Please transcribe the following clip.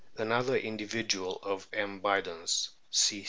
Another indivi dual of M. bidens : C.